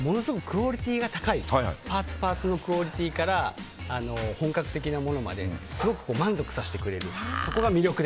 クオリティーが高いパーツパーツのクオリティーから本格的なものまですごく満足させてくれる。